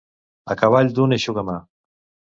A cavall d'un eixugamà.